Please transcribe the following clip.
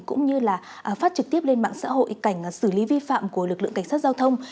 cũng như là phát trực tiếp lên mạng xã hội cảnh xử lý vi phạm của lực lượng cảnh sát giao thông